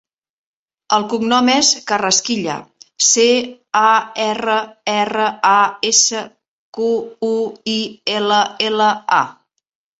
El cognom és Carrasquilla: ce, a, erra, erra, a, essa, cu, u, i, ela, ela, a.